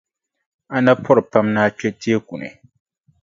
A na pɔri pam ni a kpe teeku ni.